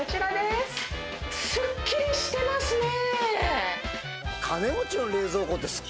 すっきりしてますね！